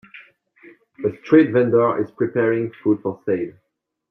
A street vendor is preparing food for sale.